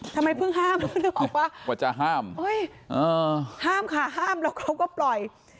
ทำไมเพิ่งห้ามพ่อจะห้ามเอ้อห้ามค่ะห้ามแล้วเขาก็ปล่อย